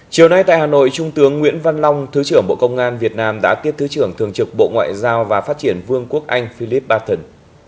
chiều nay tại hà nội trung tướng nguyễn văn long thứ trưởng bộ công an việt nam đã tiếp thứ trưởng thường trực bộ ngoại giao và phát triển vương quốc anh philip barton